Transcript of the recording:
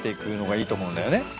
いいと思うんだよね。